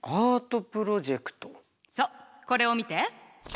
そうこれを見て！